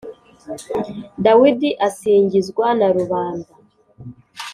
Dawidi asingizwa na rubanda